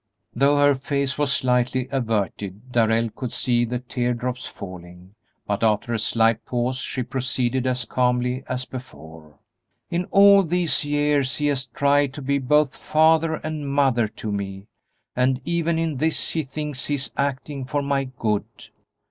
Though her face was slightly averted, Darrell could see the tear drops falling, but after a slight pause she proceeded as calmly as before: "In all these years he has tried to be both father and mother to me, and even in this he thinks he is acting for my good.